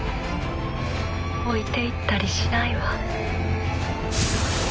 置いていったりしないわ。